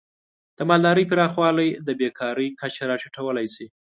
د مالدارۍ پراخوالی د بیکاری کچه راټیټولی شي.